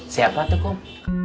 siapa itu kum